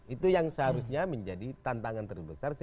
itu yang seharusnya menjadi tantangan terbesar